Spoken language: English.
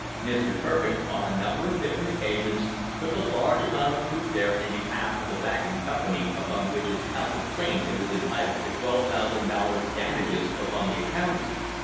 Mr. Per kins on a number of different occasions took a large amount of proof there in behalf of the Vacuum Company upon which its counsel claimed that it was entitled to $12,000 damages upon the accounting.